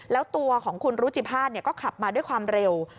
แล้วตัวของคุณรุจิภาษณก็ขับมาด้วยความเร็ว